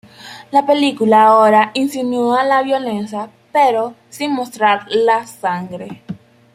La película ahora insinúa la violencia, pero sin mostrar la sangre.